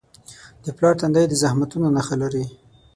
د پلار تندی د زحمتونو نښه لري.